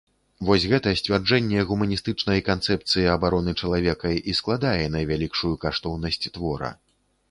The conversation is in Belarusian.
Вось гэта сцвярджэнне гуманістычнай канцэпцыі абароны чалавека і складае найвялікшую каштоўнасць твора.